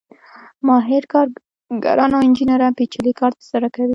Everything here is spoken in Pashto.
ماهر کارګران او انجینران پېچلی کار ترسره کوي